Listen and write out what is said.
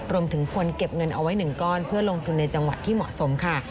รวมถึงควรเก็บเงินเอาไว้๑ก้อนเพื่อลงทุนในจังหวัดที่เหมาะสมค่ะ